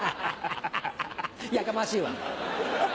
やかましいわ。